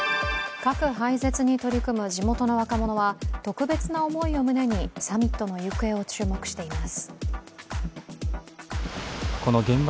核廃絶に取り組む地元の若者は特別な思いを胸にサミットの行方を注目しています。